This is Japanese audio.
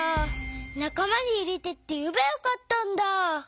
「なかまにいれて」っていえばよかったんだ。